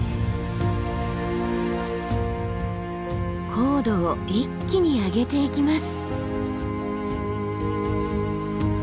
高度を一気に上げていきます。